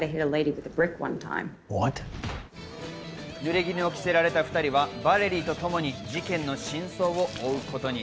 濡れ衣を着せられた２人はヴァレリーとともに事件の真相を追うことに。